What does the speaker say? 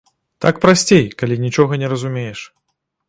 Так прасцей, калі нічога не разумееш.